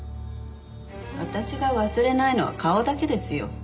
私が忘れないのは顔だけですよ。